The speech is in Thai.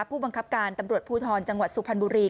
ผู้บังคับการตำรวจภูทรจังหวัดสุพรรณบุรี